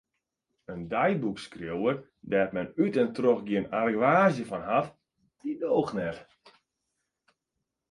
In deiboekskriuwer dêr't men út en troch gjin argewaasje fan hat, doocht net.